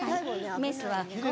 メスは。